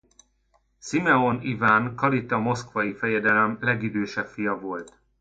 Szimeon Iván Kalita moszkvai fejedelem legidősebb fia volt.